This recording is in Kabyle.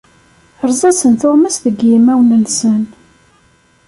Erẓ-asen tuɣmas deg yimawen-nsen!